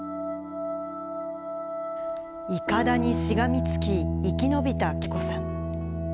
いかだにしがみつき、生き延びた啓子さん。